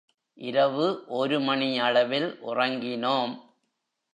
இரவு ஒரு மணியளவில் உறங்கினோம்.